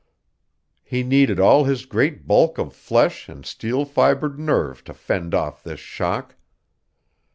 He needed all his great bulk of flesh and steel fibred nerve to fend off this shock.